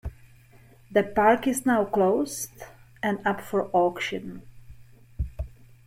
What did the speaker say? The park is now closed, and up for auction.